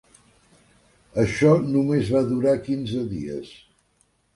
Això només va durar quinze dies.